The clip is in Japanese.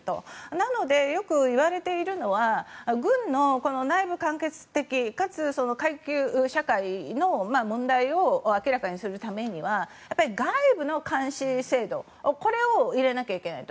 なので、よく言われているのは軍の内部完結的かつ階級社会の問題を明らかにするためには外部の監視制度これを入れなければいけないと。